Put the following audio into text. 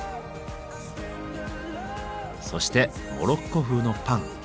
そしてモロッコ風のパン。